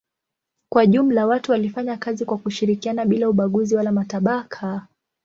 Kwa jumla watu walifanya kazi kwa kushirikiana bila ubaguzi wala matabaka.